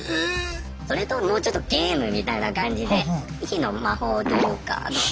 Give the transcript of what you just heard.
それともうちょっとゲームみたいな感じで「火の魔法」というか。